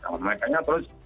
nah mereka terus